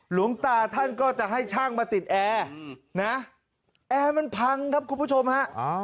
หลวงตาท่านก็จะให้ช่างมาติดแอร์นะแอร์มันพังครับคุณผู้ชมฮะ